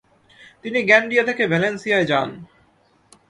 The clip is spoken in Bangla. তিনি গ্যান্ডিয়া থেকে ভ্যালেন্সিয়ায় যান।